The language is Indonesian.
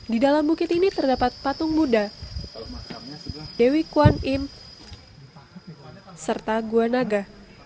di dalam bukit ini terdapat patung buddha dewi kuan im serta gua naga